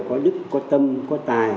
có đức có tâm có tài